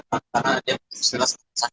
maksudnya listriknya panjang